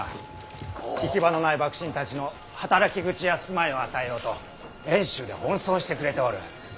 行き場のない幕臣たちの働き口や住まいを与えようと遠州で奔走してくれておる。